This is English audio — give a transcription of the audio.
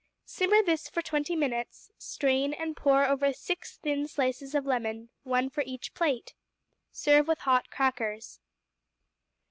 Simmer this for twenty minutes, strain, and pour over six thin slices of lemon, one for each plate. Serve with hot crackers.